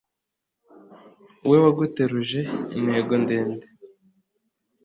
we waguteruje intego ndende